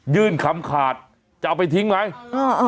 ยื่นคำขาดจะเอาไปทิ้งไหมเออ